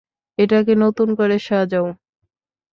এটাকে নতুন করে সাজাও!